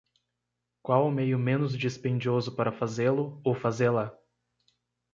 Qual o meio menos dispendioso para fazê-lo ou fazê-la?